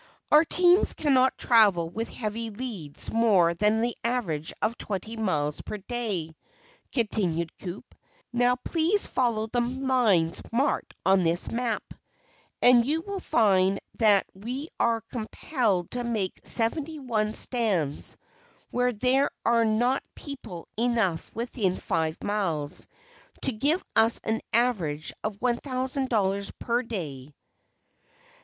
"Our teams cannot travel with heavy loads more than an average of twenty miles per day," continued Coup; "now please follow the lines marked on this map, and you will find that we are compelled to make seventy one stands where there are not people enough within five miles to give us an average of $1,000 per day.